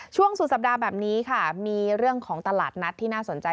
สุดสัปดาห์แบบนี้ค่ะมีเรื่องของตลาดนัดที่น่าสนใจ